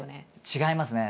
違いますね。